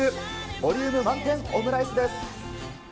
ボリューム満点オムライスです。